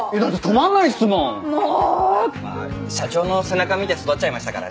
まあ社長の背中見て育っちゃいましたからね。